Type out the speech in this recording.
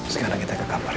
sekarang kita ke kamar ya